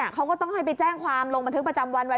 เขาก็ต้องให้ไปแจ้งความลงบันทึกประจำวันไว้